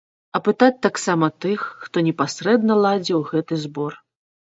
Апытаць таксама тых, хто непасрэдна ладзіў гэты збор.